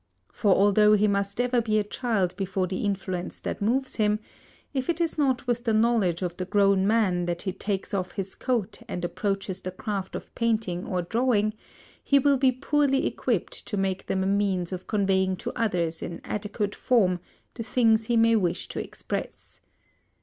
For although he must ever be a child before the influence that moves him, if it is not with the knowledge of the grown man that he takes off his coat and approaches the craft of painting or drawing, he will be poorly equipped to make them a means of conveying to others in adequate form the things he may wish to express.